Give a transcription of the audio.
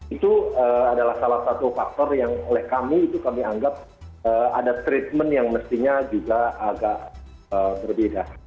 itu adalah salah satu faktor yang oleh kami itu kami anggap ada treatment yang mestinya juga agak berbeda